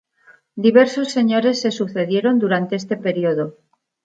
Diversos señores se sucedieron durante este periodo.